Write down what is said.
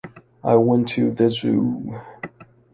I went to the zoo.